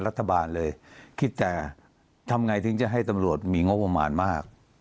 รัฐบาลเลยคิดแต่ทำไงถึงจะให้ตำรวจมีงบประมาณมาก